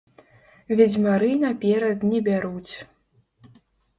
Ведзьмары наперад не бяруць.